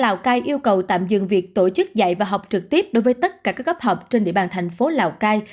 lào cai yêu cầu tạm dừng việc tổ chức dạy và học trực tiếp đối với tất cả các cấp học trên địa bàn thành phố lào cai